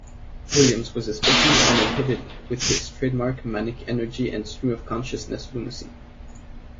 Williams was especially uninhibited with his trademark manic energy and stream-of-consciousness lunacy.